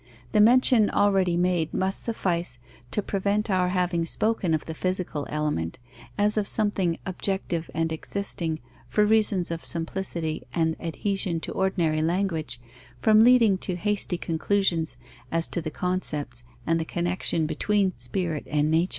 The mention already made must suffice to prevent our having spoken of the physical element as of something objective and existing, for reasons of simplicity and adhesion to ordinary language, from leading to hasty conclusions as to the concepts and the connexion between spirit and nature.